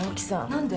何で？